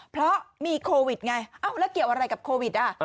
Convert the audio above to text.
เพราะมีโควิดไงเอ้าแล้วเกี่ยวอะไรกับโควิด